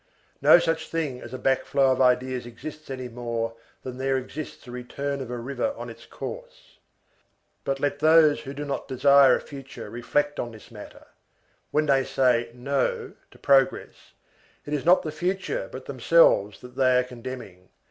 No such thing as a back flow of ideas exists any more than there exists a return of a river on its course. But let those who do not desire a future reflect on this matter. When they say "no" to progress, it is not the future but themselves that they are condemning.